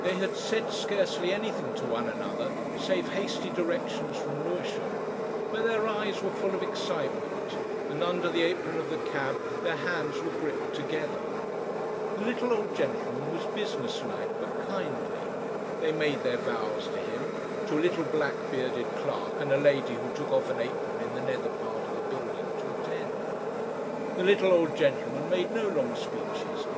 They had said scarcely anything to one another, save hasty directions from Lewisham, but their eyes were full of excitement, and under the apron of the cab their hands were gripped together. The little old gentleman was business like but kindly. They made their vows to him, to a little black bearded clerk and a lady who took off an apron in the nether part of the building to attend. The little old gentleman made no long speeches.